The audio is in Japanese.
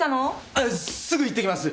あっすぐ行ってきます。